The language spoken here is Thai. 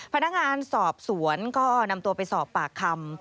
พนักงานสอบสวนก็นำตัวไปสอบปากคำ